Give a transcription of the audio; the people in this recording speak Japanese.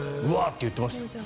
て言ってましたね。